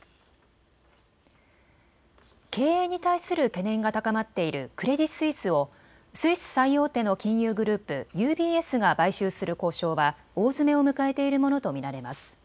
経営に対する懸念が高まっているクレディ・スイスをスイス最大手の金融グループ、ＵＢＳが買収する交渉は大詰めを迎えているものと見られます。